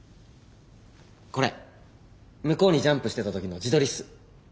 これ向こうにジャンプしてた時の自撮りっす。